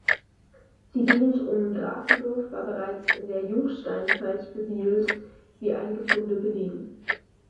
Die Gegend um Grafendorf war bereits in der Jungsteinzeit besiedelt, wie einige Funde belegen.